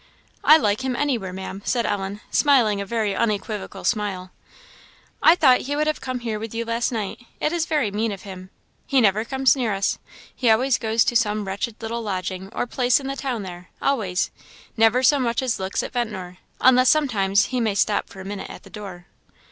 "I like him anywhere, Ma'am," said Ellen, smiling a very unequivocal smile. "I thought he would have come here with you last night; it is very mean of him! He never comes near us; he always goes to some wretched little lodging or place in the town there always; never so much as looks at Ventnor, unless sometimes he may stop for a minute at the door."